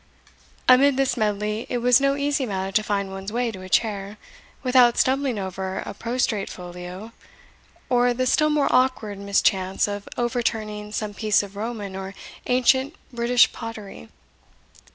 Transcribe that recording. Amid this medley, it was no easy matter to find one's way to a chair, without stumbling over a prostrate folio, or the still more awkward mischance of overturning some piece of Roman or ancient British pottery.